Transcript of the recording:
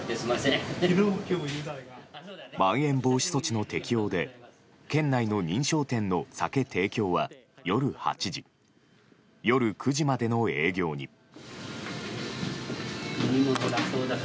まん延防止措置の適用で県内の認証店の酒提供は夜８時、夜９時までの営業に。